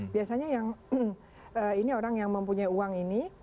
biasanya yang ini orang yang mempunyai uang ini